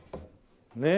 ねえ！